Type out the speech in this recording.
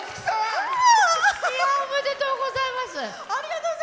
おめでとうございます！